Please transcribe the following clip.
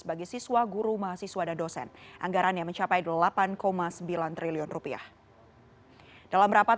bagi siswa guru mahasiswa dan dosen anggarannya mencapai delapan sembilan triliun rupiah dalam rapat